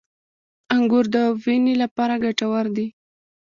• انګور د وینې لپاره ګټور دي.